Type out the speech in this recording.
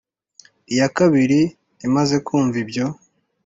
Iya kabiri, imaze kumva ibyo,